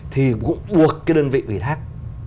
thì cũng buộc cái đơn vị quỹ thác